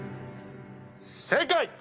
正解！